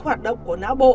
hoạt động của não bộ